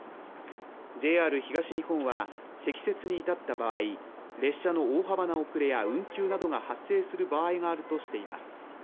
ＪＲ東日本は、積雪に至った場合列車の大幅な遅れや運休などが発生する場合があるとしています。